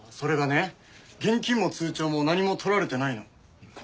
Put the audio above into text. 現金も通帳も何も盗られてないの。